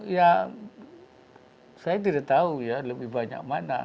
ya saya tidak tahu ya lebih banyak mana